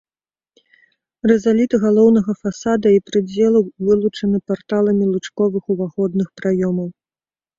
Рызаліты галоўнага фасада і прыдзелаў вылучаны парталамі лучковых уваходных праёмаў.